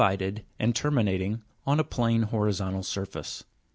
vided, and terminating on a plain horizontal surface.